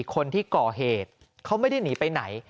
คนที่ก่อเหตุเขาไม่ได้หนีไปไหน